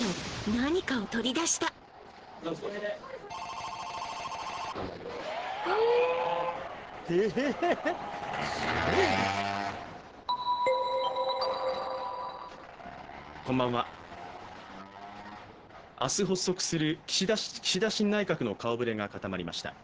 何かを取り出したええ明日発足する岸田新内閣の顔ぶれが固まりました。